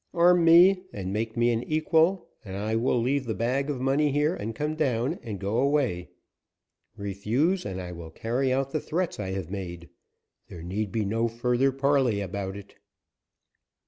"Arm me, and make me an equal, and I will leave the bag of money here and come down and go away. Refuse, and I will carry out the threats I have made. There need be no further parley about it."